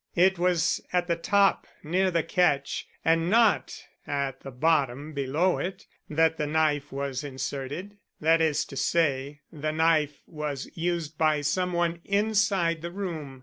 It was at the top, near the catch, and not at the bottom below it, that the knife was inserted; that is to say, the knife was used by some one inside the room.